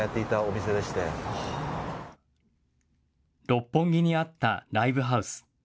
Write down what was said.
六本木にあったライブハウス。